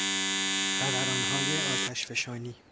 فورانهای آتشفشانی